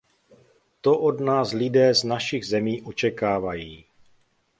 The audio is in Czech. To od nás lidé z našich zemí očekávají.